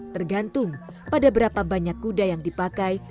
tergantung pada berapa banyak kuda yang dipakai